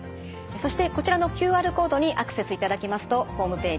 そしてこちらのＱＲコードにアクセスいただきますとホームページ